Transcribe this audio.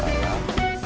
terima kasih ya ya